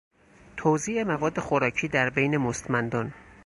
توزیع مواد خوراکی در بین مستمندان